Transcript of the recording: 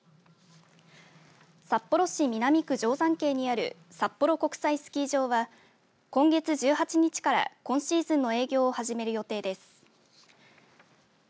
札幌市南区定山渓にある札幌国際スキー場は今月１８日から今シーズンの営業を始める予定です。